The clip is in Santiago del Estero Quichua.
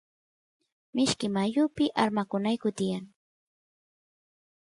mishki mayupi armakunayku tiyan